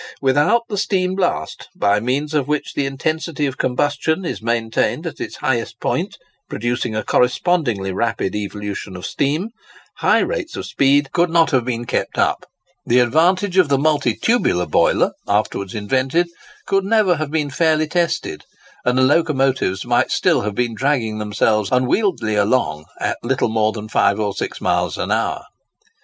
Without the steam blast, by means of which the intensity of combustion is maintained at its highest point, producing a correspondingly rapid evolution of steam, high rates of speed could not have been kept up; the advantages of the multi tubular boiler (afterwards invented) could never have been fairly tested; and locomotives might still have been dragging themselves unwieldily along at little more than five or six miles an hour.